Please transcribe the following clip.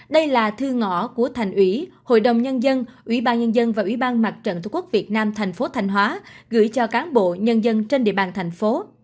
đây là thư ngõ của thành ủy hội đồng nhân dân ủy ban nhân dân và ủy ban mặt trận tổ quốc việt nam thành phố thanh hóa gửi cho cán bộ nhân dân trên địa bàn thành phố